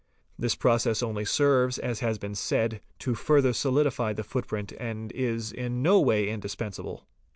This process only serves, aS has been said, to further solidify the footprint and is in no way indispensable.